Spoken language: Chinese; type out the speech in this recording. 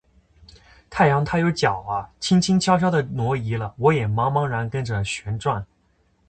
太阳他有脚啊，轻轻悄悄地挪移了；我也茫茫然跟着旋转。